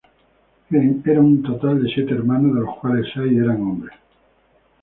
Eran un total de siete hermanos, de los cuales seis eran hombres.